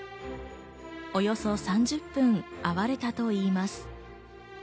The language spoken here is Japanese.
およそ３０分会われたといいます。